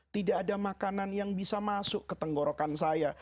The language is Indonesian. tidak ada makanan yang bisa masuk ke tenggorokan saya